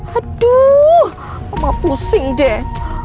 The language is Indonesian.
aduh mama pusing deh